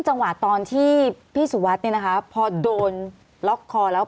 จังหวะตอนที่พี่สุวัสดิ์เนี่ยนะคะพอโดนล็อกคอแล้ว